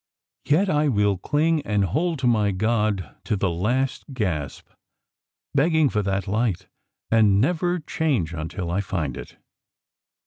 Yet I will cling and hold to my God to the last gasp, begging for that light, and never change until I find it."